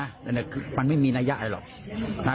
อันนี้คือมันไม่มีนัยะหรอกพี่ข้า